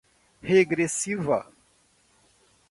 regressiva